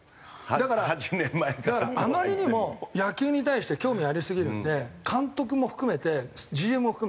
だからあまりにも野球に対して興味ありすぎるんで監督も含めてＧＭも含めて。